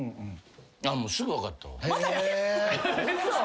もうすぐ分かったわ。